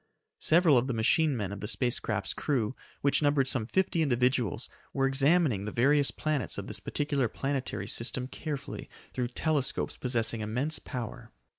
Several of the machine men of the space craft's crew, which numbered some fifty individuals, were examining the various planets of this particular planetary system carefully through telescopes possessing immense power.